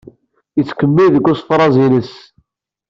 Yettkemmil deg usefreẓ-ines.